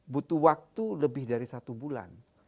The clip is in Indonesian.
butuh waktu lebih dari satu bulan